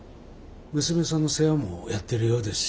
娘さんの世話もやってるようですし。